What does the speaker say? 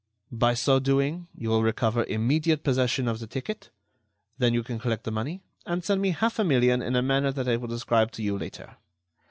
By so doing you will recover immediate possession of the ticket; then you can collect the money and send me half a million in a manner that I will describe to you later.